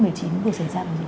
vừa xảy ra là gì